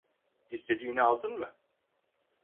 İstediğini aldın mı?